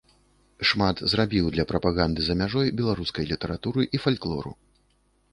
Шмат зрабіў для прапаганды за мяжой беларускай літаратуры і фальклору.